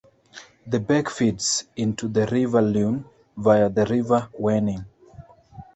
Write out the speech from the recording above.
The beck feeds into the River Lune via the River Wenning.